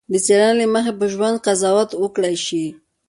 د څېړنې له مخې په ژوند قضاوت وکړای شي.